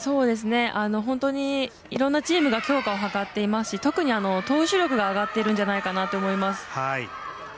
本当にいろんなチームが強化を図っていますし特に投手力が上がっているんじゃないかなと思います。